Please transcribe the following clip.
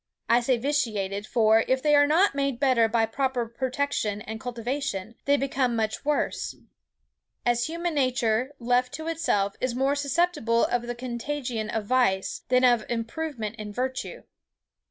I say vitiated; for, if they are not made better by proper protection and cultivation, they become much worse; as human nature, left to itself, is more susceptible of the contagion of vice, than of improvement in virtue.